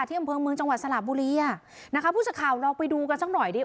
เที่ยมเพิงเมืองจังหวัดสลาบบุรีอ่ะนะคะพูดสักข่าวลองไปดูกันสักหน่อยดิ